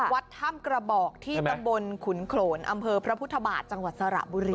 วัดถ้ำกระบอกที่ตำบลขุนโขนอำเภอพระพุทธบาทจังหวัดสระบุรี